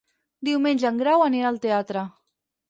Diumenge en Grau anirà al teatre.